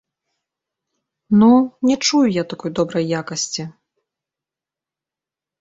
Ну, не чую я такой добрай якасці.